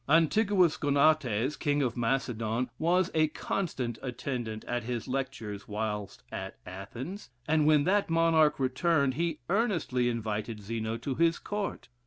Antigouus Gonates, King of Macedon, was a constant attendant at his lectures whilst at Athens, and when that monarch returned, he earnestly invited Zeno to his court.